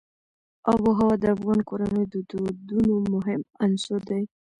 آب وهوا د افغان کورنیو د دودونو مهم عنصر دی.